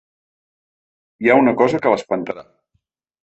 Hi ha una cosa que l’espantarà.